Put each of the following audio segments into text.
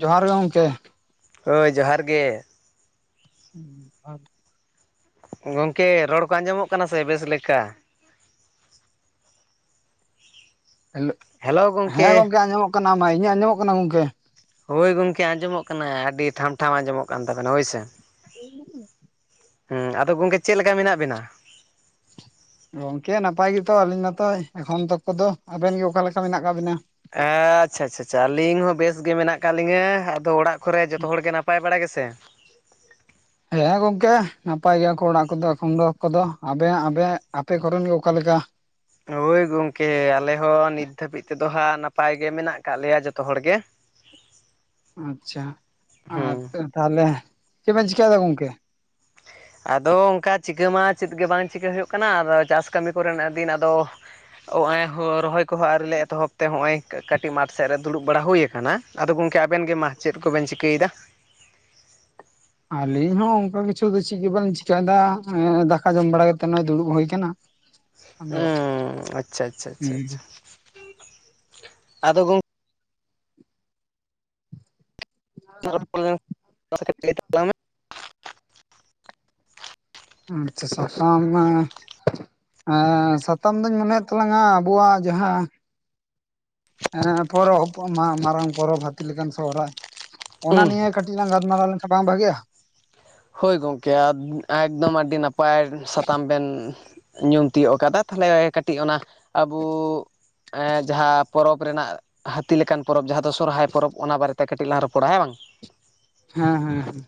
ᱡᱚᱦᱟᱨ ᱜᱮ ᱜᱚᱢᱠᱮ ᱦᱳᱭ ᱡᱚᱦᱟᱨ ᱜᱮ ᱦᱩᱸ ᱟᱨ ᱜᱚᱝᱠᱮ ᱨᱚᱲ ᱠᱚ ᱟᱸᱡᱚᱢᱚᱜ ᱠᱟᱱᱟ ᱥᱮ ᱵᱮᱥ ᱞᱮᱠᱟ ᱦᱮᱞᱳ, ᱦᱮᱞᱳ ᱦᱮᱸ ᱜᱚᱝᱠᱮ ᱜᱚᱢᱠᱮ ᱟᱸᱡᱚᱢᱚᱜ ᱠᱟᱱᱟ ᱢᱟ ᱤᱧᱟᱹᱜ ᱟᱸᱡᱚᱢᱚᱜ ᱠᱟᱱᱟ ᱜᱚᱢᱠᱮ? ᱦᱳᱭ ᱜᱚᱝᱠᱮ ᱟᱸᱡᱚᱢᱚᱜ ᱠᱟᱱᱟᱭ ᱟᱹᱰᱤ ᱴᱷᱟᱢ ᱴᱷᱟᱢ ᱟᱸᱡᱚᱢᱚᱜ ᱠᱟᱱ ᱛᱟᱵᱮᱱᱟ ᱦᱳᱭ ᱥᱮ᱾ [unintelligible] ᱦᱮᱸ ᱟᱫᱚ ᱜᱚᱝᱠᱮ ᱪᱮᱫ ᱞᱮᱠᱟ ᱢᱮᱱᱟᱜ ᱵᱤᱱᱟ? ᱜᱚᱝᱠᱮ ᱱᱟᱯᱟᱭ ᱜᱮᱛᱚ ᱟᱹᱞᱤᱧ ᱢᱟᱛᱚ ᱮᱠᱷᱚᱱ ᱛᱚᱠᱠᱚ ᱫᱚ ᱟᱵᱮᱱ ᱜᱮ ᱚᱠᱟ ᱞᱮᱠᱟ ᱢᱮᱱᱟᱜ ᱟᱠᱟᱜ ᱵᱤᱱᱟ? ᱟᱪᱪᱷᱟ ᱟᱪᱟ ᱪᱷᱟ ᱟᱹᱞᱤᱧ ᱦᱚᱸ ᱵᱮᱥ ᱜᱮ ᱢᱮᱱᱟᱜ ᱟᱠᱟᱫ ᱞᱤᱧᱟᱹ ᱟᱫᱚ ᱚᱲᱟᱜ ᱚᱠᱷᱚᱨᱮ ᱡᱚᱛᱚ ᱦᱚᱲ ᱜᱮ ᱱᱟᱯᱟᱭ ᱵᱟᱲᱟᱭ ᱜᱮ ᱥᱮ ᱦᱮᱸ ᱜᱚᱝᱠᱮ ᱱᱟᱯᱟᱭ ᱜᱮᱭᱟ ᱠᱚ ᱚᱲᱟᱜ ᱠᱚᱫᱚ ᱮᱠᱷᱚᱱ ᱫᱚ ᱟᱠᱚᱫᱚ ᱾ᱟᱵᱮ ᱟᱵᱮ ᱟᱯᱮ ᱠᱚᱨᱮᱱ ᱜᱮ ᱚᱠᱟᱮ ᱞᱮᱠᱟ? ᱦᱳᱭ ᱜᱚᱝᱠᱮ ᱟᱞᱮ ᱦᱚᱸ ᱱᱤᱛ ᱫᱷᱟᱹᱵᱤᱡ ᱛᱮᱫᱚ ᱦᱟᱸᱜ ᱱᱟᱯᱟᱭ ᱜᱮ ᱢᱮᱱᱟᱜ ᱟᱠᱟᱜ ᱞᱮᱭᱟ ᱡᱚᱛᱚ ᱦᱚᱲᱜᱮ᱾ [inaudible] ᱟᱪᱪᱷᱟ ᱟᱨ ᱛᱟᱦᱚᱞᱮ ᱪᱮᱫ ᱵᱮᱱ ᱪᱮᱤᱠᱟᱭ ᱫᱟ ᱜᱚᱝᱠᱮ? ᱟᱫᱚ ᱚᱱᱠᱟ ᱪᱤᱠᱟᱹ ᱢᱟ ᱪᱮᱫ ᱜᱮ ᱵᱟᱝ ᱪᱤᱠᱟᱹ ᱦᱩᱭᱩᱜ ᱠᱟᱱᱟ ᱟᱫᱚ ᱪᱟᱥ ᱠᱟᱹᱢᱤ ᱠᱚᱨᱮᱱᱟᱜ ᱫᱤᱱ ᱟᱫᱚ ᱱᱚᱜᱚᱭ ᱨᱚᱦᱚᱭ ᱠᱚᱦᱚᱸ ᱟᱹᱣᱤᱞᱮ ᱮᱛᱚᱦᱚᱵ ᱛᱮ ᱱᱚᱜᱼᱚᱭ ᱠᱟᱹᱴᱤᱡ ᱢᱟᱴᱷ ᱥᱮᱫ ᱨᱮ ᱫᱩᱲᱩᱵ ᱵᱟᱲᱟ ᱦᱩᱭᱩ ᱟᱠᱟᱱᱟ ᱟᱫᱚ ᱜᱚᱝᱠᱮ ᱟᱵᱮᱱ ᱜᱮ ᱢᱟᱦ ᱪᱮᱫ ᱠᱚᱵᱮᱱ ᱪᱤᱠᱟᱹᱭᱮᱫᱟ ᱟᱹᱞᱤᱧ ᱦᱚᱸ ᱚᱱᱠᱟ ᱠᱤᱪᱷᱩ ᱫᱚ ᱪᱮᱫ ᱜᱮ ᱵᱟᱝ ᱪᱤᱠᱟᱹᱭᱫᱟ ᱫᱟᱠᱟ ᱡᱚᱢ ᱵᱟᱲᱟ ᱠᱟᱛᱮᱫ ᱱᱚᱜᱼᱚᱭ ᱫᱩᱲᱩᱵ ᱦᱩᱭ ᱟᱠᱟᱱᱟ᱾ ᱩᱻ ᱟᱫᱚ ᱟᱪᱪᱷᱟ ᱟᱪᱪᱷᱟ ᱟᱫᱚ ᱜᱚᱝ ᱼᱼ [unintelligible] ᱠᱟᱹᱭ ᱛᱟᱞᱟᱝᱢᱮ ᱟᱪᱪᱷᱟ ᱥᱚᱥᱟᱝ ᱢᱟ ᱟᱸ ᱥᱟᱛᱟᱢ ᱫᱩᱧ ᱢᱚᱱᱮᱭᱮᱫ ᱛᱟᱞᱟᱝᱟ ᱟᱵᱚᱣᱟᱜ ᱡᱟᱦᱟᱸ ᱮᱸ ᱯᱚᱨᱚᱵᱽ ᱢᱟᱨᱟᱝ ᱯᱚᱨᱚᱵᱽ ᱦᱟᱹᱛᱤ ᱞᱮᱠᱟᱱ ᱥᱚᱦᱨᱟᱭ ᱚᱱᱟ ᱱᱤᱭᱮ ᱠᱟᱹᱴᱤᱡ ᱛᱤᱧᱞᱟᱝ ᱜᱟᱞᱢᱟᱨᱟᱣ ᱞᱮᱱᱠᱷᱟᱱ ᱵᱟᱝ ᱵᱷᱟᱜᱮᱼᱟ? ᱦᱳᱭ ᱜᱚᱢᱠᱮ ᱟᱫᱵᱩ ᱮᱠᱫᱚᱢ ᱟᱹᱰᱤ ᱱᱟᱯᱟᱭ ᱥᱟᱛᱟᱢ ᱵᱮᱱ ᱧᱩᱢ ᱛᱤᱭᱳᱜ ᱠᱟᱫᱟ ᱛᱟᱦᱞᱮ ᱠᱟᱹᱴᱤᱡ ᱚᱱᱟ ᱟᱵᱚ ᱡᱟᱦᱟᱸ ᱯᱚᱨᱚᱵᱽ ᱨᱮᱱᱟᱜ ᱦᱟᱹᱛᱤ ᱞᱮᱠᱟᱱ ᱯᱚᱨᱚᱵᱽ ᱡᱟᱦᱟᱸ ᱫᱚ ᱥᱚᱨᱦᱟᱭ ᱯᱚᱨᱚᱵᱽ ᱚᱱᱟ ᱵᱟᱨᱮᱛᱮ ᱠᱟᱹᱴᱤᱡ ᱞᱟᱝ ᱨᱚᱯᱚᱲᱟ ᱦᱮᱸ ᱵᱟᱝ [inaudible] ᱦᱮᱸ ᱦᱮᱸ ᱦᱮᱸ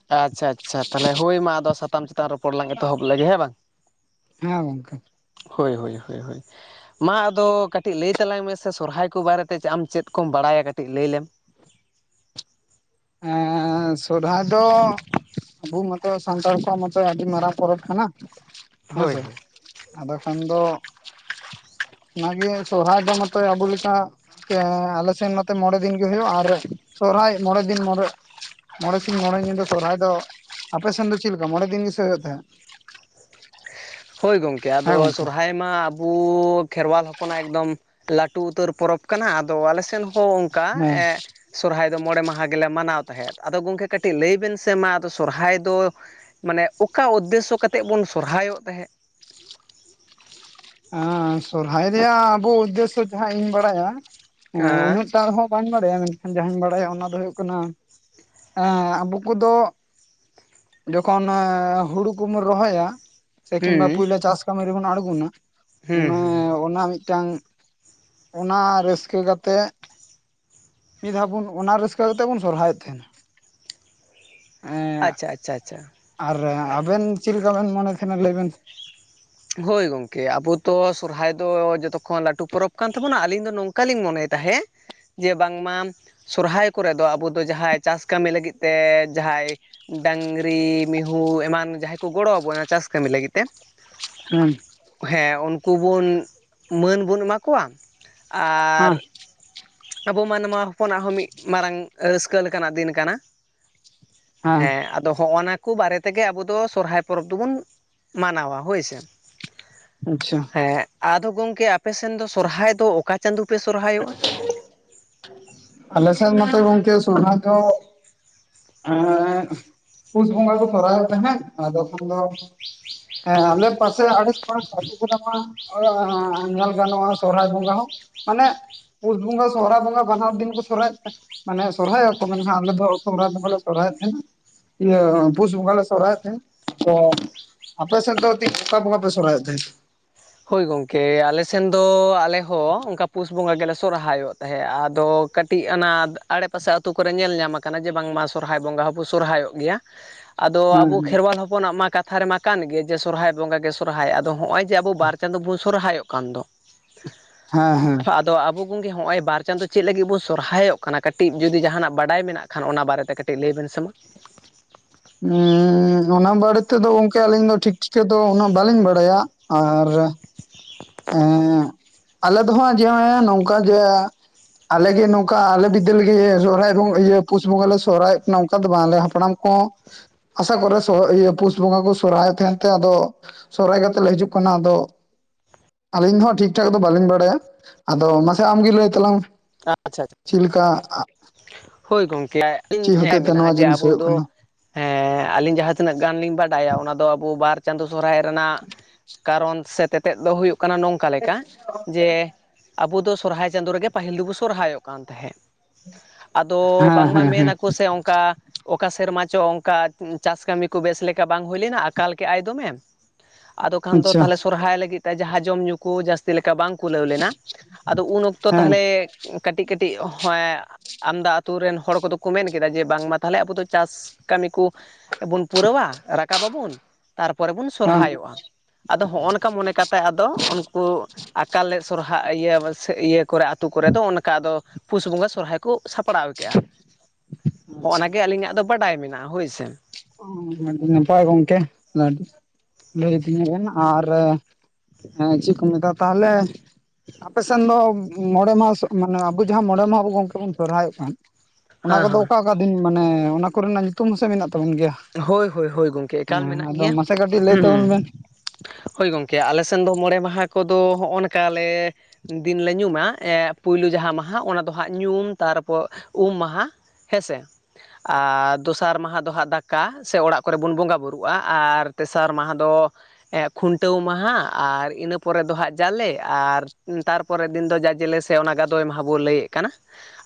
ᱛᱟᱦᱞᱮ ᱦᱳᱭ ᱢᱟ ᱟᱫᱚ ᱥᱟᱛᱟᱢ ᱪᱮᱛᱟᱱ ᱨᱚᱯᱚᱲ ᱞᱟᱝ ᱮᱛᱚᱦᱚᱵ ᱞᱮᱜᱮ ᱦᱮᱸ ᱵᱟᱝ ᱦᱮᱸ ᱜᱚᱝᱠᱮ ᱦᱳᱭ ᱦᱳᱭ ᱦᱳᱭ ᱦᱳᱭ ᱢᱟ ᱟᱫᱚ ᱠᱟᱹᱴᱤᱡ ᱞᱟᱹᱭ ᱛᱟᱞᱟᱝ ᱢᱮᱥᱮ ᱥᱚᱨᱦᱟᱭ ᱠᱚ ᱵᱟᱨᱮᱛᱮ ᱟᱢ ᱪᱮᱫ ᱠᱚᱢ ᱵᱟᱲᱟᱭᱟ ᱠᱟᱹᱴᱤᱡ ᱞᱟᱹᱭ ᱞᱮᱢ ᱟᱸ ᱥᱚᱨᱦᱟᱭ ᱫᱚ ᱟᱵᱚ ᱢᱚᱛᱚ ᱥᱟᱱᱛᱟᱲ ᱠᱚᱣᱟᱜ ᱢᱚᱛᱚ ᱟᱹᱰᱤ ᱢᱟᱨᱟᱝ ᱯᱚᱨᱚᱵᱽ ᱠᱟᱱᱟ᱾ [inaudible] ᱦᱮᱸ ᱥᱮ ᱟᱫᱚ ᱠᱷᱟᱱ ᱫᱚ ᱚᱱᱟᱜᱮ ᱥᱚᱨᱚ ᱦᱟᱭ ᱫᱚ ᱢᱚᱛᱚ ᱟᱵᱚ ᱞᱮᱠᱟ ᱟᱞᱮᱥᱱ ᱱᱚᱛᱮ ᱢᱚᱬᱮ ᱫᱤᱱ ᱜᱮ ᱦᱩᱭᱩᱜ ᱟᱨ ᱥᱚᱨᱦᱟᱭ ᱢᱚᱬᱮ ᱼᱼ ᱫᱤᱱ ᱢᱚᱲᱮ ᱢᱚᱬᱮ ᱥᱤᱧ ᱢᱚᱬᱮ ᱧᱤᱫᱟᱹ ᱥᱚᱨᱦᱟᱭ ᱫᱚ ᱟᱯᱮᱥᱱ ᱫᱚ ᱪᱮᱫ ᱞᱮᱠᱟ ᱢᱚᱬᱮ ᱫᱤᱱ ᱜᱮᱥᱮ ᱦᱩᱭᱩᱜ ᱛᱟᱦᱮᱸᱫ ᱦᱳᱭ ᱜᱚᱝᱠᱮ ᱦᱮᱸ ᱟᱫᱚ ᱜᱚᱝᱠᱮ? ᱥᱚᱨᱦᱟᱭ ᱚᱱᱟᱢᱟ ᱟᱵᱚ ᱠᱷᱮᱨᱣᱟᱞ ᱦᱚᱯᱚᱱᱟᱜ ᱮᱠᱫᱚᱢ ᱞᱟᱹᱴᱩ ᱩᱛᱟᱹᱨ ᱯᱚᱨᱚᱵᱽ ᱠᱟᱱᱟ ᱟᱫᱚ ᱟᱞᱮᱥᱮᱱ [unintelligible] ᱚᱱᱠᱟ ᱦᱮᱸ ᱮ ᱥᱚᱨᱦᱟᱭ ᱫᱚ ᱢᱚᱬᱮ ᱢᱟᱦᱟ ᱜᱮᱞᱮ ᱢᱟᱱᱟᱣ ᱛᱟᱦᱮᱸᱫ᱾ ᱟᱫᱚ ᱜᱚᱢᱠᱮ ᱠᱟᱹᱴᱤᱡ ᱞᱟᱹᱭ ᱵᱮᱱ ᱥᱮ ᱢᱟ ᱟᱫᱚ ᱥᱚᱨᱦᱟᱭ ᱫᱚ ᱢᱟᱱᱮ ᱚᱠᱟ ᱩᱫᱽᱫᱮᱥᱚ ᱠᱟᱛᱮᱫ ᱵᱚᱱ ᱥᱚᱨᱦᱟᱭᱚᱜ ᱛᱟᱦᱮᱸᱫ? ᱥᱚᱨᱦᱟᱭ ᱫᱚᱭᱟ ᱟᱵᱚ ᱩᱫᱽᱫᱮᱥᱚ ᱡᱟᱦᱟᱸ ᱤᱧ ᱵᱟᱲᱟᱭᱟ ᱦᱮᱸ ᱩᱱᱟᱹᱜ ᱴᱟᱦᱚᱸ ᱵᱟᱹᱧ ᱵᱟᱲᱟᱭᱟ ᱢᱮᱱᱠᱷᱟᱱ ᱡᱟᱦᱟᱸᱧ ᱵᱟᱲᱟᱭᱟ ᱚᱱᱟ ᱫᱚ ᱦᱩᱭᱩᱜ ᱠᱟᱱᱟ ᱟᱵᱚ ᱠᱚᱫᱚ ᱡᱚᱠᱷᱚᱱ ᱦᱩᱲᱩ ᱠᱚᱢ ᱨᱚᱦᱚᱭᱟ ᱥᱮ ᱠᱤᱝᱵᱟ ᱦᱩᱸ ᱯᱳᱭᱞᱳ ᱪᱟᱥ ᱠᱟᱹᱢᱤ ᱨᱮᱵᱚᱱ ᱟᱬᱜᱚᱱᱟ ᱦᱩᱸ ᱚᱱᱮ ᱦᱩᱸ ᱚᱱᱟ ᱢᱤᱫ ᱴᱟᱝ ᱚᱱᱟ ᱨᱟᱹᱥᱠᱟᱹ ᱠᱟᱛᱮᱜ ᱢᱤᱫ ᱫᱷᱟᱣ ᱵᱚᱱ ᱚᱱᱟ ᱨᱟᱹᱥᱠᱟᱹ ᱠᱟᱛᱮ ᱵᱚᱱ ᱥᱚᱨᱦᱟᱭᱮᱫ ᱛᱟᱦᱮᱱᱟ ᱮᱸ ᱟᱪᱪᱷᱟ ᱟᱪᱪᱷᱟ ᱟᱪᱪᱷᱟ ᱟᱨ ᱟᱵᱮᱱ ᱪᱮᱫ ᱞᱮᱠᱟ ᱵᱮᱱ ᱢᱚᱱᱮ ᱛᱟᱦᱮᱱᱟ ᱞᱟᱹᱭ ᱵᱮᱱ ᱦᱳᱭ ᱜᱚᱝᱠᱮ ᱟᱵᱚ ᱫᱚ ᱥᱚᱨᱦᱟᱭ ᱫᱚ ᱡᱚᱛᱚᱠᱷᱚᱱ ᱞᱟᱹᱴᱩ ᱯᱚᱨᱚᱵᱽ ᱠᱟᱱ ᱛᱟᱵᱚᱱᱟ ᱟᱞᱤᱧ ᱫᱚ ᱱᱚᱝᱠᱟᱞᱤᱧ ᱢᱚᱱᱮᱭ ᱛᱟᱦᱮᱸᱫ ᱡᱮ ᱵᱟᱝᱢᱟ ᱥᱚᱨᱦᱟᱭ ᱠᱚᱨᱮ ᱫᱚ ᱟᱵᱚ ᱫᱚ ᱡᱟᱦᱟᱸᱭ ᱪᱟᱥ ᱠᱟᱹᱢᱤ ᱞᱟᱹᱜᱤᱫ ᱛᱮ ᱡᱟᱦᱟᱸᱭ ᱰᱟᱝᱨᱤ ᱢᱤᱦᱩ ᱮᱢᱟᱱ ᱡᱟᱦᱟᱸᱭ ᱠᱚ ᱜᱚᱲᱚ ᱟᱵᱚᱱᱟ ᱚᱱᱟ ᱪᱟᱥ ᱠᱟᱹᱢᱤ ᱞᱟᱹᱜᱤᱫ ᱛᱮ ᱦᱩᱸ ᱦᱮᱸ ᱩᱱᱠᱩ ᱵᱚᱱ ᱢᱟᱹᱱ ᱵᱚᱱ ᱮᱢᱟ ᱠᱚᱣᱟ ᱟᱨ ᱦᱮᱸ ᱟᱵᱚ ᱢᱟᱱᱣᱟ ᱦᱚᱯᱚᱱᱟᱜ ᱦᱚᱸ ᱢᱤᱫ ᱢᱟᱨᱟᱝ ᱨᱟᱹᱥᱠᱟᱹ ᱞᱮᱠᱟᱱᱟᱜ ᱫᱤᱱ ᱠᱟᱱᱟ ᱦᱮᱸ ᱮ ᱟᱫᱚ ᱦᱚᱸᱜᱼᱚ ᱱᱟ ᱠᱚ ᱵᱟᱨᱮ ᱛᱮᱜᱮ ᱟᱵᱚ ᱫᱚ ᱥᱚᱨᱦᱟᱭ ᱯᱚᱨᱚᱵ ᱫᱚᱵᱚᱱ ᱢᱟᱱᱟᱣᱟ ᱦᱳᱭ ᱥᱮ ᱟᱪᱪᱷᱟ ᱦᱮᱸ ᱟᱫᱚ ᱜᱚᱝᱠᱮ ᱟᱯᱮ ᱥᱮᱱ ᱫᱚ ᱥᱚᱨᱦᱟᱭ ᱫᱚ ᱚᱠᱟ ᱪᱟᱸᱫᱩ ᱯᱮ ᱥᱚᱨᱦᱟᱭ ᱟᱞᱮ ᱥᱮᱱ ᱢᱟᱛᱚ ᱜᱚᱝᱠᱮ ᱥᱚᱨᱦᱟᱭ ᱫᱚ [inaudible] ᱯᱩᱥ ᱵᱚᱸᱜᱟ ᱠᱚ ᱥᱚᱨᱦᱟᱭᱚᱜ ᱛᱟᱦᱮᱸᱫ ᱟᱫᱚ ᱠᱷᱟᱱ ᱫᱚ ᱦᱮᱸ ᱟᱞᱮ ᱯᱟᱥᱮ [inaudible] ᱢᱟ ᱧᱮᱞ ᱜᱟᱱᱚᱜᱼᱟ ᱥᱚᱨᱦᱟᱭ ᱵᱚᱸᱜᱟ ᱦᱚᱸ ᱢᱟᱱᱮ ᱯᱩᱥ ᱵᱚᱸᱜᱟ ᱥᱚᱨᱦᱟᱭ ᱵᱚᱸᱜᱟ ᱵᱟᱱᱟᱨ ᱫᱤᱱ ᱠᱚ ᱥᱚᱨᱦᱟᱭ [inaudible] ᱢᱟᱱᱮ ᱥᱚᱨᱦᱟᱭ ᱚᱜᱛᱚ ᱢᱟᱱᱮ ᱱᱟᱦᱜ ᱟᱞᱮ ᱫᱚ ᱥᱚᱨᱦᱟᱭ ᱵᱚᱸᱜᱟᱞᱮ ᱥᱚᱨᱦᱟᱭᱚᱜ ᱛᱟᱦᱮᱸᱱᱟ ᱤᱭᱟᱹ ᱯᱩᱥ ᱵᱚᱸᱜᱟᱞᱟ ᱥᱚᱨᱦᱟᱭᱟᱜ ᱛᱟᱦᱮᱱ ᱟᱯᱮ ᱥᱮᱫ ᱛᱤᱥ ᱚᱠᱟ ᱵᱚᱸᱜᱟᱯᱮ ᱥᱚᱨᱦᱟᱭᱚᱜ ᱛᱟᱦᱮᱜ ᱦᱳᱭ ᱜᱚᱝᱠᱮ ᱟᱞᱮ ᱥᱮᱱ ᱫᱚ ᱟᱞᱮ ᱦᱚᱸ ᱚᱱᱠᱟ ᱯᱩᱥ ᱵᱚᱸᱜᱟ ᱜᱮᱞᱮ ᱥᱚᱨᱦᱟᱭᱚᱜ ᱛᱟᱦᱮᱸᱫ ᱟᱫᱚ ᱠᱟᱹᱴᱤᱡ ᱟᱱᱟ ᱟᱲᱮᱯᱟᱥᱮ ᱟᱹᱛᱩ ᱠᱚᱨᱮ ᱧᱮᱞ ᱧᱟᱢ ᱟᱠᱟᱱᱟ ᱡᱮ ᱵᱟᱝᱢᱟ ᱥᱚᱨᱦᱟᱭ ᱵᱚᱸᱜᱟ ᱦᱚᱸᱵᱚ ᱥᱚᱨᱦᱟᱭᱚᱜ ᱜᱮᱭᱟ ᱟᱫᱚ ᱟᱵᱚ ᱦᱮᱸ ᱠᱷᱮᱨᱣᱟᱞ ᱦᱚᱯᱚᱱᱟᱜ ᱢᱟ ᱠᱟᱛᱷᱟ ᱨᱮᱢᱟ ᱠᱟᱱ ᱜᱮ ᱡᱮ ᱥᱚᱨᱦᱟᱭ ᱵᱚᱸᱜᱟ ᱜᱮ ᱥᱚᱨᱦᱟᱭ ᱟᱫᱚ ᱦᱚᱜᱼᱚᱭ ᱡᱮ ᱟᱵᱚ ᱵᱟᱨ ᱵᱚ ᱥᱚᱨᱦᱟᱭᱚᱜ ᱠᱟᱱ ᱫᱚ ᱦᱮᱸ ᱦᱮᱸ ᱛᱚ ᱟᱵᱚ ᱜᱚᱝᱠᱮ ᱦᱚᱸᱜᱼᱚᱭ ᱵᱟᱨ ᱪᱟᱸᱫᱳ ᱪᱮᱫ ᱞᱟᱹᱜᱤᱫ ᱵᱚ ᱥᱚᱨᱦᱟᱭᱚᱜ ᱠᱟᱱᱟ ᱠᱟᱹᱴᱤᱡ ᱡᱩᱫᱤ ᱡᱟᱦᱟᱸ ᱱᱟᱜ ᱵᱟᱰᱟᱭ ᱢᱮᱱᱟᱜ ᱠᱷᱟᱱ ᱚᱱᱟ ᱵᱟᱨᱮᱛᱮ ᱠᱟᱹᱴᱤᱡ ᱞᱟᱹᱭ ᱵᱮᱱ ᱥᱮᱢᱟ ᱚᱱᱟ ᱵᱟᱨᱮ ᱛᱮᱫᱚ ᱜᱚᱢᱠᱮ ᱟᱹᱞᱤᱧ ᱫᱚ ᱴᱷᱤᱠ ᱴᱷᱤᱠᱟᱹ ᱫᱚ ᱩᱱᱟᱹᱜ ᱵᱟᱹᱞᱤᱧ ᱵᱟᱲᱟᱭᱟ ᱟᱨ ᱮᱸ [inaudible] ᱟᱞᱮ ᱫᱚ ᱦᱟᱸᱜ ᱡᱮ ᱱᱚᱝᱠᱟ ᱜᱮ ᱟᱞᱮ ᱜᱮ ᱱᱚᱝᱠᱟ ᱟᱞᱮ ᱵᱤᱫᱟᱹᱞ ᱨᱮᱜᱮ ᱥᱚᱨᱦᱟᱭ ᱠᱚ ᱤᱭᱟᱹ ᱯᱩᱥ ᱵᱚᱸᱜᱟ ᱞᱮ ᱥᱚᱨᱦᱟᱭᱚᱜ ᱠᱟᱱᱟ ᱚᱱᱠᱟ ᱫᱚ ᱵᱟᱝ ᱟᱞᱮ ᱦᱟᱯᱲᱟᱢ ᱠᱚ ᱟᱥᱟ ᱠᱚᱨᱮ ᱥᱚ ᱤᱭᱟᱹ ᱯᱩᱥ ᱵᱚᱸᱜᱟ ᱠᱚ ᱥᱚᱨᱦᱟᱭ ᱛᱟᱦᱮᱸᱱ ᱛᱮ ᱟᱫᱚ ᱥᱚᱦᱚᱨᱟᱭ ᱠᱟᱛᱮ ᱞᱮ ᱦᱤᱡᱩᱜ ᱠᱟᱱᱟ ᱟᱫᱚ ᱟᱹᱞᱤᱧ ᱫᱚ ᱦᱟᱸᱜ ᱴᱷᱤᱠ ᱴᱷᱟᱠ ᱫᱚ ᱵᱟᱹᱞᱤᱧ ᱵᱟᱲᱟᱭᱟ ᱟᱫᱚ ᱢᱟᱥᱮ ᱟᱢ ᱜᱮ ᱞᱟᱹᱭ ᱛᱟᱞᱟᱝ ᱢᱮ ᱟᱪᱪᱷᱟ ᱪᱮᱫ ᱟᱪᱪᱷᱟ ᱞᱮᱠᱟ ᱦᱳᱭ ᱜᱚᱝᱠᱮ ᱟᱹᱞᱤᱧ ᱪᱮᱫ ᱦᱮᱸ ᱦᱚᱛᱮᱡ ᱛᱮ ᱢᱮᱱᱟᱜᱼᱟ ᱱᱚᱣᱟ ᱡᱮ ᱡᱤᱱᱤᱥ ᱟᱵᱚ ᱦᱩᱭᱩᱜ ᱫᱚ ᱠᱟᱱᱟ ᱦᱮᱸ ᱟᱞᱤᱧ ᱡᱟᱦᱟᱸ ᱛᱤᱱᱟᱹᱜ ᱜᱟᱱ ᱞᱤᱧ ᱵᱟᱰᱟᱭᱟ ᱚᱱᱟ ᱫᱚ ᱟᱵᱚ ᱵᱟᱨ ᱪᱟᱸᱫᱳ ᱥᱚᱨᱦᱟᱭ ᱨᱮᱱᱟᱜ ᱠᱟᱨᱚᱱ ᱥᱮ ᱛᱮᱛᱮᱫ ᱫᱚ ᱦᱩᱭᱩᱜ ᱠᱟᱱᱟ ᱱᱚᱝᱠᱟ ᱞᱮᱠᱟ ᱡᱮ ᱟᱵᱚ ᱫᱚ ᱥᱚᱨᱦᱟᱭ ᱪᱟᱸᱫᱳ ᱨᱮᱜᱮ ᱯᱟᱹᱦᱤᱞ ᱫᱚᱵᱚᱱ ᱥᱚᱨᱦᱟᱭᱚᱜ ᱠᱟᱱ ᱛᱟᱦᱮᱸᱫ ᱟᱫᱚ ᱦᱮᱸ ᱵᱟᱝᱢᱟ ᱦᱮᱸ ᱢᱮᱱ ᱦᱮᱸ ᱟᱠᱚ ᱥᱮ ᱚᱱᱠᱟ ᱚᱠᱟ ᱥᱮᱨᱢᱟ ᱪᱚ ᱚᱝᱠᱟ ᱪᱟᱥ ᱠᱟᱹᱢᱤ ᱠᱚ ᱵᱮᱥ ᱞᱮᱠᱟ ᱵᱟᱝ ᱦᱩᱭ ᱞᱮᱱᱟ ᱟᱠᱟᱞ ᱠᱮᱜᱼᱟᱭ ᱫᱚᱢᱮ ᱟᱫᱚ ᱠᱷᱟᱱ ᱫᱚ ᱟᱪᱪᱷᱟ ᱛᱟᱦᱚᱞᱮ ᱥᱚᱨᱦᱟᱭ ᱞᱟᱹᱜᱤᱫ ᱛᱮ ᱡᱟᱦᱟᱸ ᱡᱚᱢ ᱧᱩ ᱠᱚ ᱡᱟᱹᱥᱛᱤ ᱞᱮᱠᱟ ᱵᱟᱝ ᱠᱩᱞᱟᱹᱣ ᱞᱮᱱᱟ ᱟᱫᱚ ᱩᱱ ᱚᱠᱛᱚ ᱦᱮᱸ ᱛᱟᱦᱚᱞᱮ ᱠᱟᱹᱴᱤᱡ ᱠᱟᱹᱴᱤᱡ [inaudible] ᱟᱢᱫᱟ ᱟᱛᱳ ᱨᱮᱱ ᱦᱚᱲ ᱠᱚᱫᱚ ᱠᱚ ᱢᱮᱱ ᱠᱮᱫᱟ ᱡᱮ ᱵᱟᱝᱢᱟ ᱛᱟᱦᱚᱞᱮ ᱟᱵᱚ ᱫᱚ ᱪᱟᱥ ᱠᱟᱹᱢᱤ ᱠᱚ ᱵᱚᱱ ᱯᱩᱨᱟᱹᱣᱟ ᱨᱟᱠᱟᱵ ᱟᱵᱚᱱ ᱛᱟᱨᱯᱚᱨᱮ ᱵᱚᱱ ᱦᱮᱸ ᱥᱚᱨᱦᱟᱭᱚᱜᱼᱟ ᱟᱫᱚ ᱦᱚᱜᱼᱚ ᱱᱚᱝᱠᱟ ᱢᱚᱱᱮ ᱠᱟᱛᱮᱜ ᱟᱫᱚ ᱩᱱᱠᱩ ᱟᱠᱟᱞ ᱞᱮ ᱥᱚᱨᱦᱟᱭ ᱤᱭᱟᱹ ᱥᱮ ᱤᱭᱟᱹ ᱠᱚᱨᱮ ᱟᱛᱳ ᱠᱚᱨᱮ ᱫᱚ ᱚᱱᱠᱟ ᱟᱫᱚ ᱯᱩᱥ ᱵᱚᱸᱜᱟ ᱥᱚᱨᱦᱟᱭ ᱠᱩ ᱥᱟᱯᱲᱟᱣ ᱠᱮᱜᱼᱟ ᱦᱚᱜᱼᱚ ᱱᱟ ᱜᱮ ᱟᱹᱞᱤᱧᱟᱜ ᱫᱚ ᱵᱟᱰᱟᱭ ᱢᱮᱱᱟᱜᱼᱟ ᱦᱳᱭ ᱥᱮ ᱟᱹᱰᱤ ᱱᱟᱯᱟᱭ ᱜᱚᱝᱠᱮ ᱞᱟᱹᱭ [inaudible] ᱟᱨ ᱦᱮᱸ ᱪᱮᱫ ᱠᱚ ᱢᱮᱛᱟᱜᱼᱟ ᱛᱟᱦᱚᱞᱮ ᱟᱯᱮ ᱥᱮᱱ ᱫᱚ ᱢᱚᱬᱮ ᱢᱟᱦᱟᱸ ᱥᱚᱜ ᱢᱟᱱᱮ ᱟᱵᱚ ᱡᱟᱦᱟᱸ ᱢᱚᱬᱮ ᱢᱟᱦᱟ ᱟᱵᱚ ᱜᱚᱝᱠᱮ ᱵᱚᱱ ᱥᱚᱦᱚᱨᱟᱭᱚᱜ ᱠᱟᱱ ᱚᱱᱟ ᱠᱚᱫᱚ ᱦᱮᱸ ᱚᱠᱟ ᱚᱠᱟ ᱫᱤᱱ ᱢᱟᱱᱮ ᱚᱱᱟ ᱠᱚᱨᱮ ᱱᱟᱜ ᱧᱩᱛᱩᱢ ᱦᱚᱸ ᱥᱮ ᱢᱮᱱᱟᱜ ᱛᱟᱵᱚᱱ ᱜᱮᱭᱟ ᱦᱳᱭ ᱦᱳᱭ ᱦᱳᱭ ᱜᱚᱝᱠᱮ ᱮᱠᱟᱞ ᱦᱮᱸ ᱢᱮᱱᱟᱜ ᱟᱫᱚ ᱜᱮᱭᱟ ᱢᱟᱥᱮ ᱠᱟᱹᱴᱤᱡ ᱞᱟᱹᱭ ᱛᱟᱵᱚᱱ ᱵᱮᱱ ᱦᱳᱭ ᱜᱚᱝᱠᱮ ᱟᱞᱮ ᱥᱮᱱ ᱫᱚ ᱢᱚᱬᱮ ᱢᱟᱦᱟᱸ ᱠᱚᱫᱚ ᱦᱚᱜᱼᱚ ᱱᱚᱝᱠᱟ ᱞᱮ ᱫᱤᱱ ᱞᱮ ᱧᱩᱢᱟ ᱯᱩᱭᱞᱩ ᱡᱟᱦᱟᱸ ᱢᱟᱦᱟᱸ ᱚᱱᱟ ᱫᱚ ᱦᱟᱸᱜ ᱧᱩᱢ ᱛᱟᱨᱯᱚᱨ ᱩᱢ ᱢᱟᱦᱟᱸ ᱦᱮᱸᱥᱮ ᱟᱨ ᱫᱚᱥᱟᱨ ᱢᱟᱦᱟᱸ ᱫᱚ ᱦᱟᱸᱜ ᱫᱟᱠᱟ ᱠᱟ ᱥᱮ ᱚᱲᱟᱜ ᱠᱚᱨᱮ ᱵᱚᱱ ᱵᱚᱸᱜᱟ ᱵᱩᱨᱩᱜ-ᱟ ᱟᱨ ᱛᱮᱥᱟᱨ ᱢᱟᱦᱟ ᱫᱚ ᱠᱷᱩᱱᱴᱟᱹᱣ ᱢᱟᱦᱟ ᱟᱨ ᱤᱱᱟᱹ ᱯᱚᱨᱮ ᱫᱚ ᱦᱟᱸᱜ ᱡᱟᱞᱮ ᱟᱨ ᱛᱟᱨ ᱯᱚᱨᱮ ᱫᱤᱱ ᱫᱚ ᱡᱟᱡᱮᱞᱮ ᱥᱮ ᱚᱱᱟ ᱜᱟᱫᱚᱭ ᱢᱟᱦᱟ ᱵᱚᱱ ᱞᱟᱹᱭᱮᱫ ᱠᱟᱱᱟ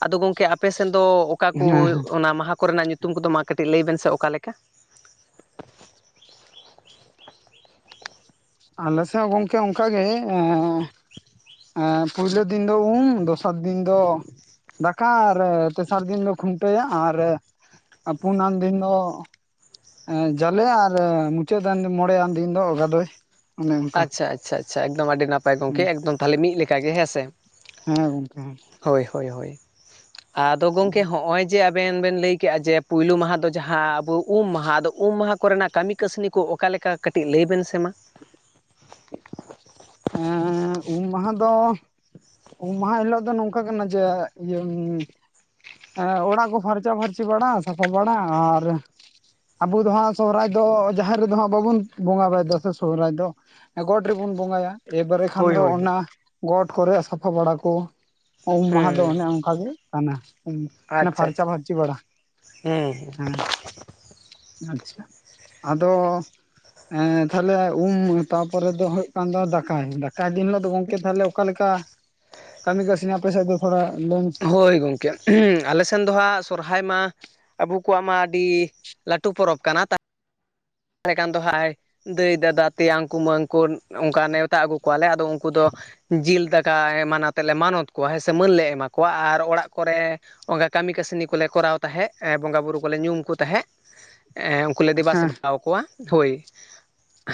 ᱟᱫᱚ ᱜᱚᱢᱠᱮ ᱟᱯᱮ ᱥᱮᱱ ᱫᱚ ᱚᱠᱟ ᱠᱚ ᱦᱮᱸ ᱦᱮᱸ ᱚᱱᱟ ᱢᱟᱦᱟ ᱠᱚᱨᱮᱱᱟᱜ ᱧᱩᱛᱩᱢ ᱠᱚᱫᱚ ᱢᱟ ᱠᱟᱹᱴᱤᱡ ᱞᱟᱹᱭ ᱵᱮᱱ ᱥᱮ ᱚᱠᱟ ᱞᱮᱠᱟ ᱟᱞᱮ ᱥᱮᱫ ᱜᱚᱝᱠᱮ ᱚᱱᱠᱟᱜᱮ ᱦᱮᱸ ᱯᱩᱭᱞᱳ ᱫᱤᱱ ᱫᱚ ᱩᱢ ᱫᱚᱥᱟᱨ ᱫᱤᱱ ᱫᱚ ᱫᱟᱠᱟ ᱟᱨ ᱛᱮᱥᱟᱨ ᱫᱤᱱ ᱫᱚ ᱠᱷᱩᱱᱴᱟᱹᱭᱟ ᱟᱨ ᱯᱩᱱᱟᱱ ᱫᱤᱱ ᱫᱚ ᱡᱟᱞᱮ ᱟᱨ ᱢᱩᱪᱟᱹᱫ ᱫᱤᱱ ᱢᱚᱬᱮᱭᱟᱜ ᱫᱤᱱ ᱫᱚ ᱜᱟᱫᱳᱭ ᱟᱪᱪᱷᱟ ᱟᱪᱪᱷᱟ ᱟᱪᱪᱷᱟ ᱮᱠᱫᱚᱢ ᱟᱹᱰᱤ ᱱᱟᱯᱟᱭ ᱜᱚᱝᱠᱮ ᱮᱠᱫᱚᱢ ᱢᱤᱫ ᱞᱮᱠᱟ ᱜᱮ ᱦᱮᱸᱥᱮ ᱦᱩᱸ ᱜᱚᱝᱠᱮ ᱦᱳᱭ ᱦᱳᱭ ᱦᱳᱭ ᱟᱫᱚ ᱜᱚᱝᱠᱮ ᱦᱚᱜ ᱚᱭ ᱡᱮ ᱟᱵᱮᱱ ᱵᱮᱱ ᱞᱟᱹᱭ ᱠᱮᱜᱼᱟ ᱡᱮ ᱯᱩᱭᱞᱩ ᱢᱟᱦᱟᱸ ᱫᱚ ᱡᱟᱦᱟᱸ ᱟᱵᱚ ᱩᱢ ᱢᱟᱦᱟᱸ ᱟᱫᱚ ᱩᱢ ᱢᱟᱦᱟᱸ ᱠᱚᱨᱮᱱᱟᱜ ᱠᱟᱹᱢᱤ ᱠᱟᱹᱥᱱᱤ ᱠᱚ ᱚᱠᱟ ᱞᱮᱠᱟ ᱠᱟᱹᱴᱤᱡ ᱞᱟᱹᱭ ᱵᱮᱱ ᱥᱮ ᱢᱟ ᱮᱸᱜ ᱩᱢ ᱢᱟᱦᱟᱸ ᱫᱚ ᱩᱢ ᱢᱟᱦᱟ ᱦᱤᱞᱳᱜ ᱫᱚ ᱱᱚᱝᱠᱟ ᱠᱟᱱᱟ ᱡᱮ ᱤᱭᱟᱹ ᱚᱲᱟᱜ ᱠᱚ ᱯᱷᱟᱨᱪᱟ ᱯᱷᱟᱨᱪᱤ ᱵᱟᱲᱟ ᱥᱟᱯᱷᱟ ᱵᱟᱲᱟ ᱟᱨ ᱟᱵᱚ ᱫᱚ ᱦᱟᱸᱜ ᱥᱚᱦᱨᱟᱭ ᱫᱚ ᱡᱟᱦᱮᱨ ᱨᱮᱫᱚ ᱦᱟᱸᱜ ᱵᱟᱵᱚᱱ ᱵᱚᱸᱜᱟ ᱵᱟᱨᱟ ᱮᱫᱟ ᱥᱮ ᱥᱚᱦᱨᱟᱭ ᱫᱚ ᱜᱚᱴ ᱨᱮᱵᱚᱱ ᱵᱚᱸᱜᱟᱭᱟ ᱮᱵᱟᱨᱮ ᱠᱷᱟᱱ ᱦᱳᱭ ᱫᱚ ᱦᱳᱭ ᱦᱳᱭ ᱚᱱᱟ ᱜᱚᱴ ᱠᱚᱨᱮ ᱥᱟᱯᱷᱟ ᱵᱟᱲᱟ ᱠᱚ ᱩᱢ ᱢᱟᱦᱟ ᱫᱚ ᱦᱩᱸ ᱚᱱᱮ ᱚᱱᱠᱟ [unintelligible] ᱟᱪᱪᱷᱟ ᱯᱷᱟᱨᱪᱟ ᱟᱪᱪᱷᱟ ᱯᱷᱟᱨᱪᱤ ᱵᱟᱲᱟ ᱦᱩᱸ ᱦᱮᱸ ᱟᱪᱪᱷᱟ ᱟᱫᱚ ᱛᱟᱦᱞᱮ ᱩᱢ ᱛᱟᱯᱚᱨᱮ ᱫᱚ ᱦᱩᱭᱩᱜ ᱠᱟᱱ ᱫᱚ ᱫᱟ ᱫᱟᱠᱟᱭ ᱫᱤᱱ ᱦᱤᱞᱳᱜ ᱫᱚ ᱜᱚᱝᱠᱮ ᱛᱟᱦᱚᱞᱮ ᱚᱠᱟ ᱞᱮᱠᱟ ᱠᱟᱹᱢᱤ ᱠᱟᱹᱥᱱᱤ ᱟᱯᱮ ᱥᱮᱫ ᱫᱚ ᱛᱷᱚᱲᱟ ᱞᱟᱹᱭ ᱢᱮᱥᱮ ᱦᱳᱭ ᱜᱚᱢᱠᱮ ᱟᱞᱮᱥᱮᱱ ᱫᱚ ᱦᱟᱸᱜ ᱥᱚᱨᱦᱟᱭ ᱢᱟ ᱟᱵᱚ ᱠᱚᱣᱟᱜ ᱢᱟ ᱟᱹᱰᱤ ᱞᱟᱹᱴᱩ ᱯᱚᱨᱚᱵ ᱠᱟᱱᱟ ᱛᱚ ᱛᱟᱦᱚᱞᱮ ᱠᱷᱟᱱ ᱫᱚ ᱦᱟᱭ ᱫᱟᱹᱭ ᱫᱟᱫᱟ ᱛᱮᱭᱟᱝ ᱠᱩᱢᱟᱹᱝ ᱠᱚ ᱚᱱᱠᱟ ᱱᱮᱣᱛᱟ ᱟᱹᱜᱩ ᱠᱚᱣᱟᱞᱮ ᱩᱱᱠᱩ ᱫᱚ ᱡᱤᱞ ᱫᱟᱠᱟ ᱚᱱᱠᱟ ᱮᱢᱟᱱ ᱱᱟᱛᱮᱫ ᱞᱮ ᱢᱟᱱᱚᱛ ᱠᱚᱣᱟ ᱦᱮᱸ ᱥᱮ ᱢᱟᱹᱱ ᱞᱮ ᱮᱢᱟ ᱠᱚᱣᱟ ᱟᱨ ᱚᱲᱟᱜ ᱠᱚᱨᱮ ᱚᱱᱠᱟ ᱠᱟᱹᱢᱤ ᱠᱟᱹᱥᱱᱤ ᱠᱚᱞᱮ ᱠᱚᱨᱟᱣ ᱛᱟᱦᱮᱸᱜ ᱵᱚᱸᱜᱟᱼ ᱵᱩᱨᱩ ᱠᱚᱞᱮ ᱧᱩᱢ ᱠᱚ ᱛᱟᱦᱮᱸᱜ ᱠᱚᱞᱮ ᱫᱮᱵᱟ ᱦᱮᱸ ᱥᱮᱵᱟ ᱟᱠᱚᱣᱟ ᱦᱳᱭ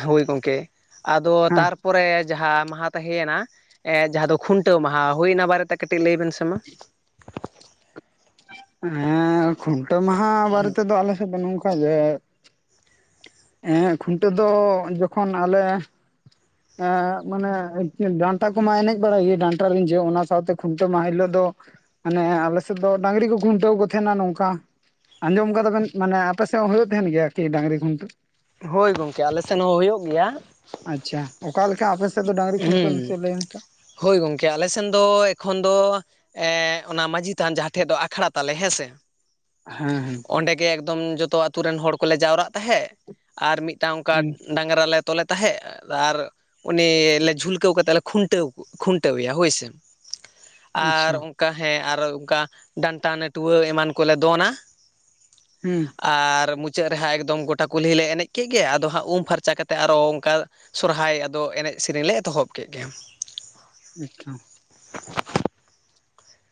ᱦᱳᱭ ᱜᱚᱢᱠᱮ ᱟᱫᱚ ᱦᱮᱸ ᱛᱟᱨᱯᱚᱨ ᱯᱚᱨᱮ ᱡᱟᱦᱟᱸ ᱢᱟᱦᱟ ᱛᱟᱦᱮᱸᱭᱮᱱᱟ ᱡᱟᱦᱟᱸ ᱫᱚ ᱠᱷᱩᱱᱴᱟᱹᱣ ᱢᱟᱦᱟ ᱦᱩᱭᱱᱟ ᱵᱟᱨᱮᱛᱮ ᱠᱟᱹᱴᱤᱡ ᱞᱟᱹᱭ ᱵᱮᱱ ᱥᱮ ᱢᱟ [unintelligible] ᱮᱸ ᱠᱷᱩᱱᱴᱟᱹᱣ ᱢᱟᱦᱟ ᱵᱟᱨᱮ ᱛᱮᱫᱚ ᱟᱞᱮ ᱥᱮᱫ ᱫᱚ ᱱᱚᱝᱠᱟ ᱜᱮ ᱦᱮᱸ ᱠᱷᱩᱱᱴᱟᱹᱣ ᱫᱚ ᱡᱚᱠᱷᱚᱱ ᱟᱞᱮ ᱮ ᱢᱟᱱᱮ ᱰᱟᱱᱴᱟ ᱠᱚᱢᱟ ᱮᱱᱮᱡ ᱵᱟᱲᱟᱭ ᱜᱮ ᱰᱟᱱᱴᱟ ᱨᱤᱡᱳᱜ ᱚᱱᱟ ᱥᱟᱶᱛᱮ ᱠᱷᱩᱱᱴᱟᱹᱣ ᱢᱟᱦᱟ ᱦᱤᱞᱳᱜ ᱫᱚ ᱢᱟᱱᱮ ᱟᱞᱮᱥᱮᱫ ᱫᱚ ᱰᱟᱝᱨᱤ ᱠᱚ ᱠᱷᱩᱱᱴᱟᱹᱣ ᱠᱚ ᱛᱟᱦᱮᱱᱟ ᱱᱚᱝᱠᱟ ᱟᱸᱡᱚᱢ ᱠᱟᱫᱟ ᱵᱮᱱ ᱢᱟᱱᱮ ᱟᱯᱮ ᱥᱮᱫ ᱦᱚᱸ ᱦᱩᱭᱩᱜ ᱛᱟᱦᱮᱱ ᱜᱮᱭᱟ ᱟᱨᱠᱤ ᱰᱟᱹᱝᱨᱤ ᱠᱷᱩᱱᱴᱟᱹᱣ ᱦᱳᱭ ᱜᱚᱝᱠᱮ ᱟᱞᱮ ᱥᱮᱱ ᱦᱚᱸ ᱦᱩᱭᱩᱜ ᱜᱮᱭᱟ ᱟᱪᱪᱷᱟ ᱚᱠᱟᱞᱮᱠᱟ ᱟᱯᱮ ᱥᱮᱫ ᱫᱚ ᱰᱟᱝᱨᱤ ᱠᱷᱩᱱᱴᱟᱹᱣ ᱦᱩᱸ ᱱᱟᱥᱮ ᱞᱟᱹᱭ ᱢᱮᱥᱮ ᱦᱳᱭ ᱜᱚᱝᱠᱮ ᱟᱞᱮ ᱥᱮᱱ ᱫᱚ ᱮᱠᱷᱚᱱ ᱫᱚ ᱮ ᱚᱱᱟ ᱢᱟᱺᱡᱷᱤ ᱛᱷᱟᱱ ᱡᱟᱦᱟᱸ ᱴᱷᱮᱡ ᱫᱚ ᱟᱠᱷᱲᱟ ᱛᱟᱞᱮ ᱦᱮᱸ ᱥᱮ ᱦᱮᱸ ᱦᱮᱸ ᱚᱸᱰᱮ ᱜᱮ ᱮᱠᱫᱚᱢ ᱡᱚᱛᱚ ᱟᱛᱳ ᱨᱮᱱ ᱦᱚᱲ ᱠᱚᱞᱮ ᱡᱟᱣᱨᱟᱜ ᱛᱟᱦᱮᱸᱜ ᱟᱨ ᱢᱤᱫᱴᱟᱝ ᱚᱱᱠᱟ ᱦᱩᱸ ᱰᱟᱝᱨᱟ ᱞᱮ ᱛᱚᱞᱮ ᱛᱟᱦᱮᱸᱫ ᱟᱨ ᱩᱱᱤ ᱞᱮ ᱡᱷᱩᱞᱠᱟᱹᱣ ᱠᱟᱛᱮᱫ ᱞᱮ ᱠᱷᱩᱱᱟᱹᱣ ᱠᱷᱩᱱᱴᱟᱹᱣ ᱮᱭᱟ ᱦᱳᱭ ᱥᱮ ᱟᱨ ᱟᱪᱪᱷᱟ ᱚᱱᱠᱟ ᱦᱮᱸ ᱟᱨᱚ ᱚᱱᱠᱟ ᱰᱟᱱᱴᱟ ᱱᱟᱹᱴᱣᱟᱹ ᱮᱢᱟᱱ ᱠᱚᱞᱮ ᱫᱚᱱᱟ ᱦᱩᱸ ᱟᱨ ᱢᱩᱪᱟᱹᱫ ᱨᱮᱦᱟᱸᱜ ᱮᱠᱫᱚᱢ ᱜᱚᱴᱟ ᱠᱩᱞᱦᱤ ᱞᱮ ᱮᱱᱮᱡ ᱠᱮᱫ ᱜᱮ ᱟᱫᱚ ᱦᱟᱸᱜ ᱩᱢ ᱯᱷᱟᱨᱪᱟ ᱠᱟᱛᱮᱫ ᱟᱨᱚ ᱚᱱᱠᱟ ᱥᱚᱨᱦᱟᱭ ᱟᱫᱚ ᱮᱱᱮᱡ ᱥᱮᱨᱮᱧ ᱞᱮ ᱮᱛᱚᱦᱚᱵ ᱠᱮᱫ ᱜᱮᱭᱟ ᱟᱪᱪᱷᱟ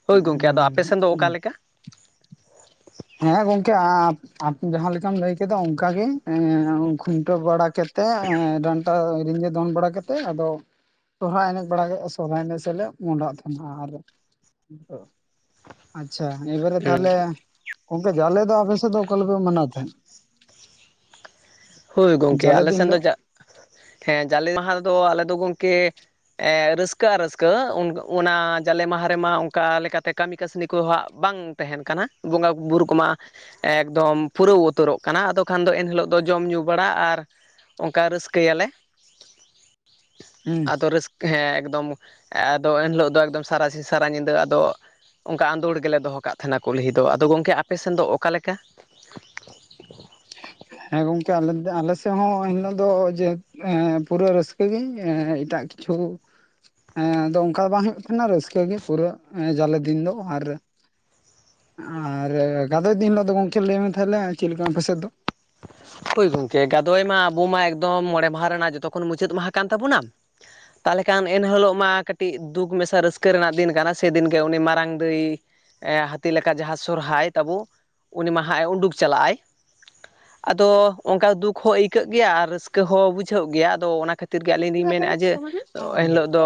ᱦᱳᱭ ᱜᱚᱝᱠᱮ ᱟᱫᱚ ᱟᱯᱮ ᱥᱮᱱ ᱫᱚ ᱦᱩᱸ ᱚᱠᱟᱞᱮᱠᱟ ᱦᱮᱸ ᱜᱚᱝᱠᱮ ᱟᱢ ᱡᱟᱦᱟᱸ ᱞᱮᱠᱟᱢ ᱞᱟᱹᱭ ᱠᱮᱫᱟ ᱚᱱᱠᱟᱟᱜ ᱜᱮ ᱮᱸ ᱠᱷᱩᱱᱴᱟᱹ ᱵᱟᱲᱟ ᱠᱟᱛᱮ ᱮᱸ ᱰᱟᱱᱴᱟ ᱫᱚᱱ ᱵᱟᱲᱟ ᱠᱟᱛᱮᱫ ᱟᱫᱚ ᱥᱚᱨᱦᱟᱭ ᱮᱱᱮᱡ ᱵᱟᱲᱟ ᱥᱚᱨᱦᱟᱭ ᱮᱱᱮᱡ ᱥᱮᱫ ᱞᱮ ᱢᱚᱦᱰᱟᱜ ᱛᱟᱦᱮᱱᱟ ᱟᱨ ᱟᱪᱪᱷᱟ ᱮᱵᱟᱨᱮ ᱦᱩᱸ ᱛᱟᱦᱚᱞᱮ ᱜᱚᱝᱠᱮ ᱡᱟᱹᱞᱮ ᱫᱚ ᱟᱯᱮᱥᱮᱫ ᱫᱚ ᱚᱠᱟ ᱞᱮᱠᱟ ᱯᱮ ᱢᱟᱱᱟᱣ ᱛᱟᱦᱮᱸᱫ ᱦᱳᱭ ᱜᱚᱢᱠᱮ ᱡᱟᱞᱮ ᱟᱞᱮ ᱫᱤᱱ ᱥᱮᱱ ᱫᱚ ᱦᱤᱞᱳᱜ? ᱦᱮᱸ ᱡᱟᱞᱮ ᱢᱟᱦᱟ ᱨᱮᱫᱚ ᱟᱞᱮ ᱫᱚ ᱜᱚᱢᱠᱮ ᱨᱟᱹᱥᱠᱟᱹ ᱟᱨ ᱨᱟᱹᱥᱠᱟᱹ ᱚᱱᱟ ᱡᱟᱞᱮ ᱢᱟᱦᱟ ᱨᱮᱢᱟ ᱚᱱᱠᱟ ᱞᱮᱠᱟᱛᱮ ᱠᱟᱹᱢᱤ ᱠᱟᱹᱥᱱᱤ ᱠᱚ ᱦᱟᱸᱜ ᱵᱟᱝ ᱛᱟᱦᱮᱱ ᱠᱟᱱᱟ ᱵᱚᱸᱜᱟ ᱵᱩᱨᱩ ᱠᱚᱢᱟ ᱮᱠᱫᱚᱢ ᱯᱩᱨᱟᱹᱣ ᱩᱛᱟᱹᱨᱚᱜ ᱠᱟᱱᱟ ᱟᱫᱚ ᱠᱷᱟᱱ ᱫᱚ ᱮᱱᱦᱤᱞᱳᱜ ᱫᱚ ᱡᱚᱢ ᱧᱩ ᱵᱟᱲᱟ ᱟᱨ ᱚᱱᱠᱟ ᱨᱟᱹᱥᱠᱟᱹᱭᱟᱞᱮ ᱦᱩᱸ ᱟᱫᱚ ᱨᱟᱹᱥᱠᱟᱹ ᱦᱮᱸ ᱮᱠᱫᱚᱢ ᱟᱫᱚ ᱮᱱᱦᱤᱞᱳᱜ ᱫᱚ ᱮᱠᱚᱢ ᱥᱟᱨᱟ ᱥᱤᱧ ᱥᱟᱨᱟ ᱧᱤᱫᱟᱹ ᱟᱫᱚ ᱚᱱᱠᱟ ᱟᱸᱫᱳᱲ ᱜᱮᱞᱮ ᱫᱚᱦᱚ ᱠᱟᱜ ᱛᱟᱦᱮᱱᱟ ᱠᱩᱞᱦᱤ ᱫᱚ ᱟᱫᱚ ᱜᱚᱢᱠᱮ ᱟᱯᱮᱥᱱ ᱫᱚ ᱚᱠᱟᱞᱮᱠᱟ [unintelligible] ᱦᱮᱸ ᱜᱚᱝᱠᱮ ᱟᱞᱮ ᱟᱞᱮ ᱥᱮᱫ ᱦᱚᱸ ᱮᱱ ᱦᱤᱞᱚᱜ ᱫᱚ ᱡᱮ ᱮᱸ ᱯᱩᱨᱟᱹ ᱨᱟᱹᱥᱠᱟᱹᱜ ᱜᱮ ᱮᱴᱟᱜ ᱠᱤᱪᱷᱩ ᱮᱸ ᱟᱫᱚ ᱚᱱᱠᱟ ᱫᱚ ᱵᱟᱝ ᱦᱩᱭᱩᱜ ᱛᱟᱦᱮᱱᱟ ᱨᱟᱹᱥᱠᱟᱹ ᱜᱮ ᱯᱩᱨᱟᱹ ᱡᱟᱞᱮ ᱫᱤᱱ ᱫᱚ ᱟᱨ ᱟᱨ ᱜᱟᱫᱚᱭ ᱫᱤᱱ ᱦᱤᱞᱳᱜ ᱫᱚ ᱜᱚᱝᱠᱮ ᱞᱟᱹᱭ ᱢᱮ ᱛᱟᱦᱚᱞᱮ ᱪᱮᱫ ᱞᱮᱠᱟ ᱟᱯᱮ ᱥᱮᱫ ᱫᱚ ᱦᱳᱭ ᱜᱚᱢᱠᱮ ᱜᱟᱫᱚᱭ ᱢᱟ ᱟᱵᱚ ᱢᱟ ᱮᱠᱫᱚᱢ ᱢᱚᱬᱮ ᱢᱟᱦᱟ ᱨᱮᱱᱟᱜ ᱡᱚᱛᱚ ᱠᱷᱚᱱ ᱢᱩᱪᱟᱹᱫ ᱢᱟᱦᱟ ᱠᱟᱱ ᱛᱟᱵᱚᱱᱟ ᱛᱟᱦᱚᱞᱮ ᱠᱷᱟᱱ ᱮᱱᱦᱤᱞᱳᱜ ᱢᱟ ᱠᱟᱹᱴᱤᱡ ᱫᱩᱠ ᱢᱮᱥᱟ ᱨᱟᱹᱥᱠᱟᱹ ᱨᱮᱱᱟᱜ ᱫᱤᱱ ᱠᱟᱱᱟ ᱥᱮᱫᱤᱱ ᱜᱮ ᱩᱱᱤ ᱢᱟᱨᱟᱝ ᱫᱟᱹᱭ ᱦᱟᱹᱛᱤ ᱞᱮᱠᱟ ᱡᱟᱦᱟᱸ ᱥᱚᱨᱦᱟᱭ ᱛᱟᱵᱚ ᱩᱱᱤ ᱢᱟᱦᱟᱸ ᱩᱸᱰᱩᱠ ᱪᱟᱞᱟᱜᱼ ᱟᱭ ᱟᱫᱚ ᱚᱱᱠᱟ ᱫᱩᱠ ᱦᱚᱸ ᱟᱹᱭᱠᱟᱹᱜ ᱜᱮᱭᱟ ᱟᱨ ᱨᱟᱹᱥᱠᱟᱹ ᱦᱚᱸ ᱵᱩᱡᱷᱟᱹᱜ ᱜᱮᱭᱟ ᱟᱫᱚ ᱚᱱᱟ ᱠᱷᱟᱹᱛᱤᱨ ᱠᱷᱟᱹᱛᱤᱨ ᱜᱮ ᱟᱹᱞᱤᱧ ᱞᱤᱧ ᱢᱮᱱᱮᱫᱼᱟ ᱡᱮ ᱦᱩᱸ ᱮᱱᱦᱤᱞᱳᱜ ᱫᱚ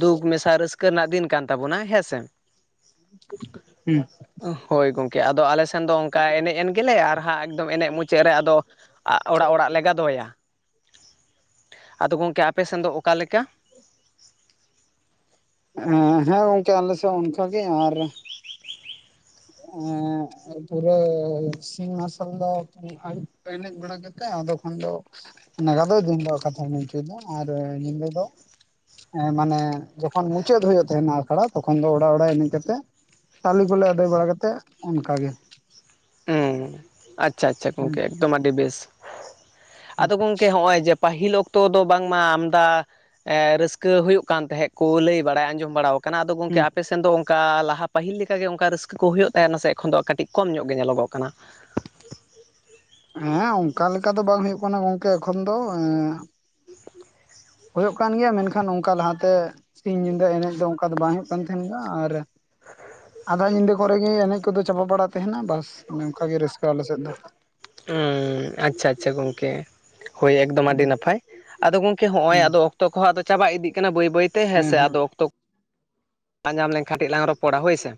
ᱫᱩᱠ ᱢᱮᱥᱟ ᱨᱟᱹᱥᱠᱟᱹ ᱨᱟᱹᱥᱠᱟ ᱨᱮᱱᱟᱜ ᱫᱤᱱ ᱠᱟᱱ ᱛᱟᱵᱚᱱᱟ ᱦᱮᱸᱥᱮ ᱦᱮᱸ ᱦᱳᱭ ᱜᱚᱝᱠᱮ ᱟᱫᱚ ᱟᱞᱮ ᱥᱮᱱ ᱫᱚ ᱚᱱᱠᱟ ᱮᱱᱮᱡ ᱮᱱ ᱜᱮᱞᱮ ᱟᱨ ᱦᱟᱸᱜ ᱮᱠᱫᱚᱢ ᱮᱱᱮᱡ ᱢᱩᱪᱟᱹᱫ ᱨᱮ ᱟᱫᱚ ᱚᱲᱟᱜ ᱚᱲᱟᱜ ᱞᱮ ᱜᱟᱫᱚᱭᱟ ᱟᱫᱚ ᱜᱚᱝᱠᱮ ᱟᱯᱮ ᱥᱮᱱ ᱫᱚ ᱚᱠᱟᱞᱮᱠᱟ ᱦᱮᱸ ᱦᱮᱸ ᱜᱚᱝᱠᱮ ᱟᱞᱮ ᱥᱮᱫ ᱚᱱᱠᱟᱜ ᱜᱮ ᱟᱨ ᱮ ᱯᱩᱨᱟᱹ ᱥᱤᱧ ᱢᱟᱨᱥᱟᱞ ᱫᱚ ᱟᱹᱭᱩᱵ ᱮᱱᱮᱡ ᱵᱟᱲᱟ ᱠᱟᱛᱮᱜ ᱟᱫᱚ ᱠᱷᱟᱱ ᱫᱚ ᱚᱱᱟ ᱜᱟᱫᱚᱭ ᱫᱤᱱ ᱫᱚ ᱠᱟᱛᱷᱟ ᱢᱮᱱ ᱚᱪᱚᱭᱮᱫᱟ ᱟᱨ ᱧᱤᱫᱟᱹ ᱫᱚ ᱢᱟᱱᱮ ᱡᱚᱠᱷᱚᱱ ᱢᱩᱪᱟᱹᱫ ᱦᱩᱭᱩᱜ ᱛᱟᱦᱮᱸᱱᱟ ᱟᱠᱷᱲᱟ ᱛᱚᱠᱷᱚᱱ ᱫᱚ ᱚᱲᱟᱜ ᱚᱲᱟᱜ ᱮᱱᱮᱡ ᱠᱟᱛᱮ ᱪᱟᱣᱞᱮ ᱠᱚᱞᱮ ᱟᱹᱫᱟᱭ ᱵᱟᱲᱟ ᱠᱟᱛᱮᱫ ᱚᱱᱠᱟᱜᱮ ᱩᱸ ᱟᱪᱪᱷᱟ ᱟᱪᱪᱷᱟ ᱦᱩᱸ ᱜᱚᱝᱠᱮ ᱮᱠᱫᱚᱢ ᱟᱹᱰᱤ ᱵᱮᱥ ᱦᱩᱸ ᱟᱫᱚ ᱜᱚᱝᱠᱮ ᱦᱚᱜ ᱚᱭ ᱡᱮ ᱯᱟᱹᱦᱤᱞ ᱚᱠᱛᱚ ᱫᱚ ᱵᱟᱝᱢᱟ ᱟᱢᱫᱟ ᱮᱸ ᱨᱟᱹᱥᱠᱟᱹ ᱦᱩᱭᱩᱜ ᱠᱟᱱ ᱛᱟᱦᱮᱸᱫ ᱠᱚ ᱞᱟᱹᱭ ᱵᱟᱲᱟᱭ ᱟᱸᱡᱚᱢ ᱵᱟᱲᱟ ᱟᱠᱟᱫ ᱠᱟᱱᱟ ᱟᱫᱚ ᱜᱚᱝᱠᱮ ᱦᱩᱸ ᱟᱯᱮᱥᱮᱱ ᱫᱚ ᱚᱱᱠᱟ ᱞᱟᱦᱟ ᱯᱟᱹᱦᱤᱞ ᱞᱮᱠᱟᱜᱮ ᱚᱱᱠᱟ ᱨᱟᱹᱥᱠᱟᱹ ᱦᱩᱭᱩᱜ ᱛᱟᱦᱮᱱᱟ ᱥᱮ ᱮᱠᱷᱚᱱ ᱫᱚ ᱠᱟᱹᱴᱤᱡ ᱠᱚᱢ ᱧᱚᱜᱼᱟ ᱜᱮ ᱧᱮᱞᱚᱜᱚᱜ ᱠᱟᱱᱟ ᱾ ᱦᱮᱸ ᱚᱱᱠᱟ ᱞᱮᱠᱟ ᱫᱚ ᱵᱟᱝ ᱦᱩᱭᱩᱜ ᱠᱟᱱᱟ ᱜᱚᱝᱠᱮ ᱮᱠᱷᱚᱱ ᱫᱚ ᱦᱩᱸ [unintelligible] ᱦᱩᱭᱩᱜᱚᱡᱚᱜ ᱠᱟᱱ ᱜᱮᱭᱟ ᱢᱮᱱᱠᱷᱟᱱ ᱚᱱᱠᱟ ᱞᱟᱦᱟ ᱛᱮ ᱥᱤᱧ ᱧᱤᱫᱟᱹ ᱮᱱᱮᱡ ᱫᱚ ᱚᱱᱠᱟ ᱫᱚ ᱵᱟᱝ ᱦᱩᱭᱩᱜ ᱠᱟᱱ ᱛᱟᱦᱮᱱᱟ ᱟᱨ ᱟᱫᱷᱟ ᱧᱤᱫᱟᱹ ᱠᱚᱨᱮ ᱜᱮ ᱮᱱᱮᱡ ᱠᱚᱫᱚ ᱪᱟᱵᱟ ᱵᱟᱲ ᱛᱟᱦᱮᱱᱟ ᱵᱟᱥ ᱱᱚᱝᱠᱟ ᱜᱮ ᱨᱟᱹᱥᱠᱟᱹ ᱟᱞᱮ ᱥᱮᱫ ᱫᱚ ᱩᱸ ᱟᱪᱷᱟ ᱟᱪᱷᱟ ᱜᱚᱝᱠᱮ ᱾ ᱦᱳᱭ ᱮᱠᱫᱚᱢ ᱟᱹᱰᱤ ᱦᱩᱸ ᱱᱟᱯᱟᱭ ᱟᱫᱚ ᱜᱚᱢᱠᱮ ᱦᱚᱸᱜᱼᱚᱭ ᱦᱩᱸ ᱟᱫᱚ ᱚᱠᱛᱚ ᱠᱚᱦᱚᱸ ᱟᱫᱚ ᱪᱟᱵᱟ ᱤᱫᱤᱜ ᱠᱟᱱᱟ ᱵᱟᱹᱭ ᱵᱟᱹᱭ ᱛᱮ ᱯᱮ ᱦᱮᱸ ᱦᱮᱥᱮ ᱦᱮᱸ ᱟᱫᱚ ᱚᱠᱛᱚ ᱧᱟᱢ ᱞᱮᱱᱠᱷᱟᱱ ᱠᱟᱹᱴᱤᱡ ᱞᱟᱝ ᱨᱚᱯᱚᱲᱟ ᱦᱳᱭ ᱥᱮ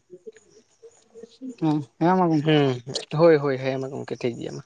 ᱦᱮᱸ ᱢᱟ ᱜᱚᱝᱠᱮ ᱦᱩᱸ ᱦᱳᱭ ᱦᱳᱭ ᱦᱮᱸ ᱢᱟ ᱜᱚᱝᱠᱮ ᱴᱤᱠᱜᱮᱭᱟ ᱦᱚᱭ